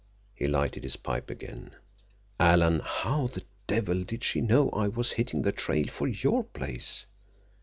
He lighted his pipe again. "Alan, how the devil did she know I was hitting the trail for your place?"